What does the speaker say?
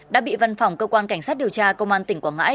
đã bị văn phòng cơ quan cảnh sát điều tra công an tỉnh quảng ngãi